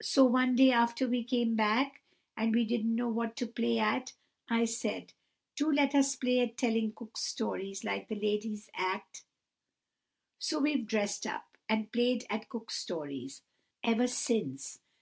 So one day after we came back, and we didn't know what to play at, I said: 'Do let us play at telling Cook Stories, like the ladies at —.' So we've dressed up, and played at Cook Stories, ever since.